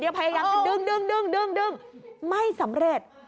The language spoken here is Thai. เดี๋ยวพยายามดึงไม่สำเร็จ